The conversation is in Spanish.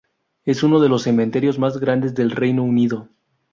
Es uno de los cementerios más grandes del Reino Unido.